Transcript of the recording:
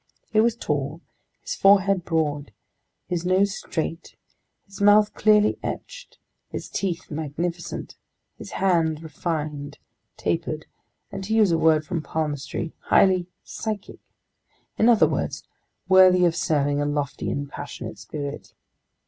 He was tall, his forehead broad, his nose straight, his mouth clearly etched, his teeth magnificent, his hands refined, tapered, and to use a word from palmistry, highly "psychic," in other words, worthy of serving a lofty and passionate spirit.